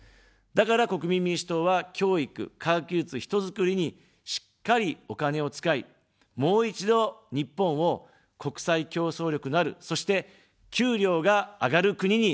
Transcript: だから国民民主党は、教育、科学技術、人づくりに、しっかりお金を使い、もう一度、日本を、国際競争力のある、そして、給料が上がる国にしていきます。